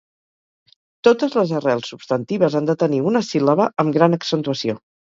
Totes les arrels substantives han de tenir una síl·laba amb gran accentuació.